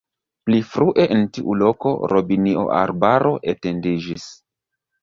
Pli frue en tiu loko robinio-arbaro etendiĝis.